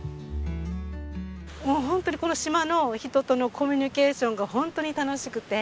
もうホントにこの島の人とのコミュニケーションがホントに楽しくて。